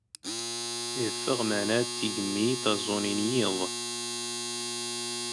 ⵉⴼⴼⵖ ⵎⴰⵏⵏⴰⴷ ⵜⵉⴳⵎⵎⵉ ⵜⴰⵥⵓⵏⵉ ⵏ ⵢⵉⴹ.